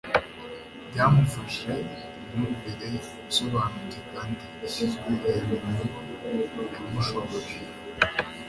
byamufashe. imyumvire isobanutse kandi ishyizwe hejuru yamushoboje